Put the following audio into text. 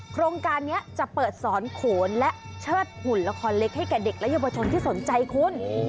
โครงการนี้จะเปิดสอนโขนและเชิดหุ่นละครเล็กให้แก่เด็กและเยาวชนที่สนใจคุณ